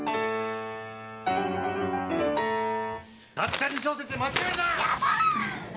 たった２小節で間違えるな！